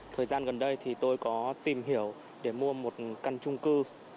thời gian gần đây thì tôi có tìm hiểu để mua một căn trung cư